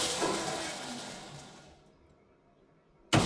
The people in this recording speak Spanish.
Estudió derecho en la Universidad de Antioquia.